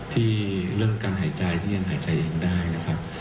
เรื่องการหายใจที่ยังหายใจเองได้นะครับ